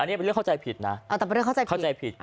แต่เป็นเรื่องเข้าใจผิดนะ